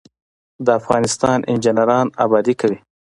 د افغانستان انجنیران ابادي کوي